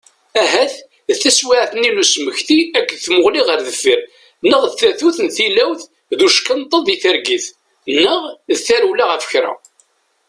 Ahat d taswiɛt-nni n usmekti akked tmuɣli ɣer deffir, neɣ d tatut n tilawt d uckenṭeḍ di targit, neɣ d tarewla ɣef kra.